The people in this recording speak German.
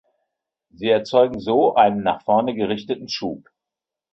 Sie erzeugen so einen nach vorne gerichteten Schub.